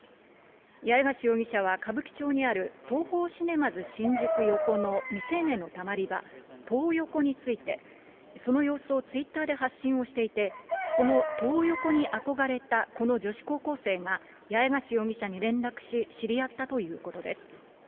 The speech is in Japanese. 八重樫容疑者は歌舞伎町にある東宝シネマズ新宿横の未成年のたまり場、トー横について、その様子をツイッターで発信をしていて、そのトー横に憧れたこの女子高校生が八重樫容疑者に連絡し、知り合ったということです。